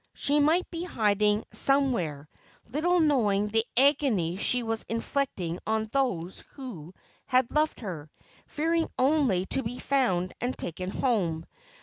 She might be hiding some where, little knowing the agony she was inflicting on those who had loved her, fearing only to be found and taken home.